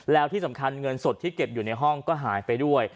แล้วที่สำคัญเงินสดที่เก็บอยู่ในห้องก็หายไปด้วย